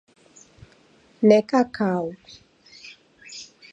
Neka kau